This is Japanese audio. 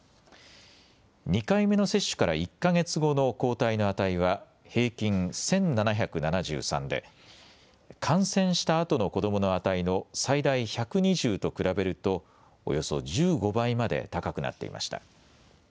２回目の接種から１か月後の抗体の値は平均１７７３で感染したあとの子どもの値の最大１２０と比べるとおよそ１５倍まで高くなっていました。